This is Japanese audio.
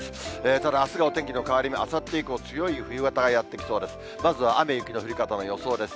ただあすが、お天気の変わり目、あさって以降、強い冬型がやって来そうです。